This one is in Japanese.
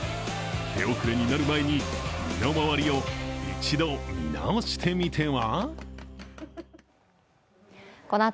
手遅れになる前に、身の回りを一度見直してみては？